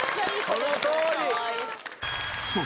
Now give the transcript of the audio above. そのとおり！